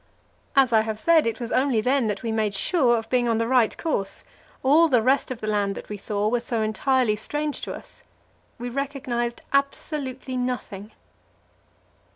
As I have said, it was only then that we made sure of being on the right course; all the rest of the land that we saw was so entirely strange to us. We recognized absolutely nothing.